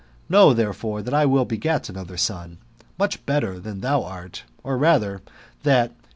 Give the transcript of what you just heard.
Know, therefore, that I will beget another son, much better than thou art ; or rather, that you